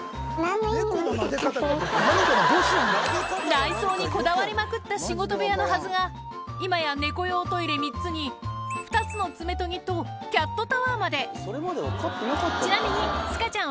内装にこだわりまくった仕事部屋のはずが今や猫用トイレ３つに２つの爪研ぎとキャットタワーまでちなみにスカちゃん